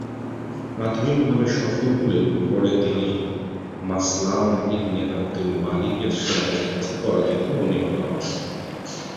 প্রাথমিকভাবে সফল হলেও পরে তিনি মাসলামা ইবনে আবদুল মালিকের সেনাদের কাছে পরাজিত ও নিহত হন।